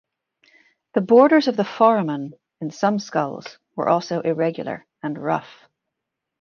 The borders of the foramen in some skulls were also irregular and rough.